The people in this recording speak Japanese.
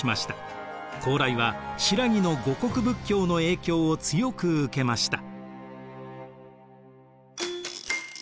高麗は新羅の護国仏教の影響を強く受けました。